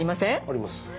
あります。